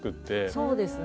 そうですね。